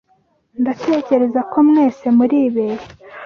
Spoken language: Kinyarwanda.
Ndatekereza ko mwese muribeshya.